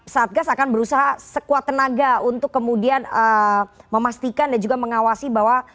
satgas akan berusaha sekuat tenaga untuk kemudian memastikan dan juga mengawasi bahwa